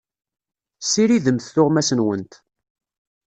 Ssiridemt tuɣmas-nwent.